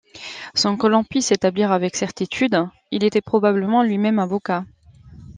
Sans que l'on puisse l'établir avec certitude, il était probablement lui-même avocat.